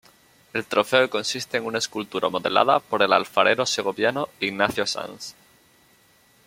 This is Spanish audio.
El trofeo consiste en una escultura modelada por el alfarero segoviano Ignacio Sanz.